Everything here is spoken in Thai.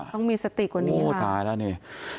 ต้องมีสติกว่านี้โอ้ตายแล้วนี่